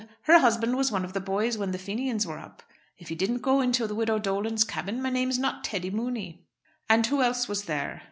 Her husband was one of the boys when the Fenians were up. If he didn't go into the widow Dolan's cabin my name's not Teddy Mooney." "And who else was there?"